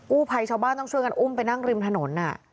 กู้ภัยชาวบ้านต้องช่วยกันอุ้มไปนั่งริมถนน